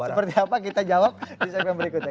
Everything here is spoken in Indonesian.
seperti apa kita jawab di segmen berikutnya